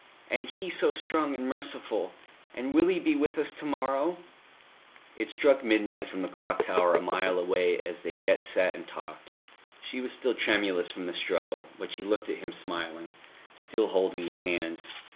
And He so strong and merciful. And will He be with us to morrow?" It struck midnight from the clock tower a mile away as they yet sat and talked. She was still tremulous from the struggle; but she looked at him smiling, still holding his hands.